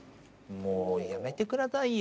もう、やめてくださいよ。